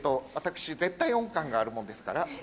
私絶対音感があるもんですから。